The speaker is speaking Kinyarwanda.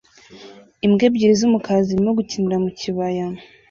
Imbwa ebyiri z'umukara zirimo gukinira mu kibaya